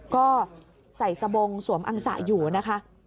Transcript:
ก็ใส่สบงสวมอังสะอยู่นะคะ